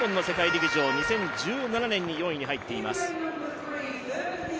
陸上２０１７年に４位に入っています。